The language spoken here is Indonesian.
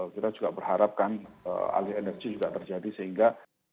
kita juga berharapkan alih energi juga terjadi sehingga